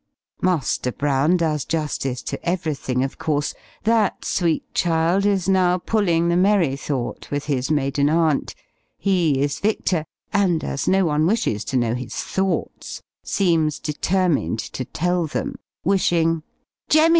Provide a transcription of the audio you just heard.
Master Brown does justice to everything, of course that sweet child is now pulling the merry thought with his maiden aunt; he is victor, and, as no one wishes to know his thoughts, seems determined to tell them, wishing "Jemy.